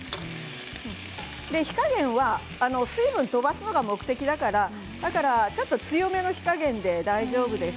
火加減は水分を飛ばすのが目的だからだからちょっと強めの火加減で大丈夫です。